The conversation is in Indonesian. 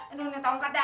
aduh ini tahu nggak ada